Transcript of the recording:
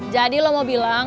jadi lo mau bilang